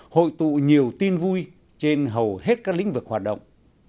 hội tụ nhiều tin vui trên hầu hết các lĩnh vực hoạt động